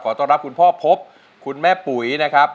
ต้อนรับคุณพ่อพบคุณแม่ปุ๋ยนะครับ